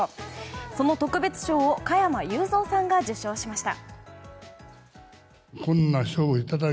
その特別賞を加山雄三さんが受賞しました。